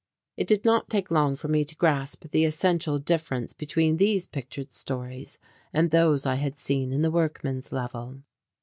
It did not take long for me to grasp the essential difference between these pictured stories and those I had seen in the workmen's level.